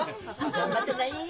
頑張ったない。